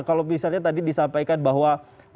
kalau misalnya tadi disampaikan bahwa